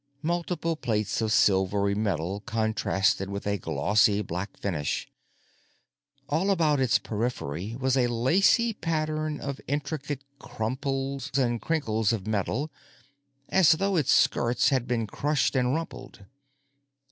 Multiple plates of silvery metal contrasted with a glossy black finish. All about its periphery was a lacy pattern of intricate crumples and crinkles of metal, as though its skirts had been crushed and rumpled.